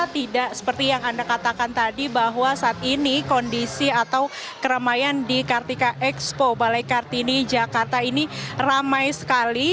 tidak seperti yang anda katakan tadi bahwa saat ini kondisi atau keramaian di kartika expo balai kartini jakarta ini ramai sekali